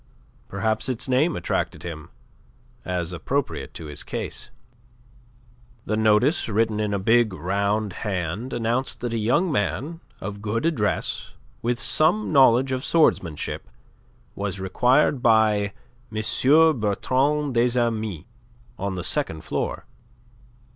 Perhaps its name attracted him, as appropriate to his case. The notice written in a big round hand announced that a young man of good address with some knowledge of swordsmanship was required by M. Bertrand des Amis on the second floor.